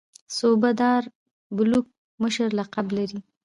صوبه دار بلوک مشر لقب لري.